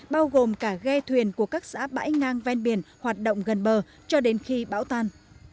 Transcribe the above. bao gồm cả ghe thuyền của các xã bãi ngang ven biển hoạt động gần bờ cho đến khi bão tan